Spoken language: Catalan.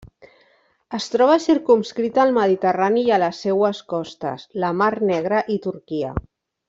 Es troba circumscrita al Mediterrani i a les seues costes, la Mar Negra i Turquia.